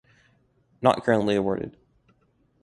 Not currently awarded.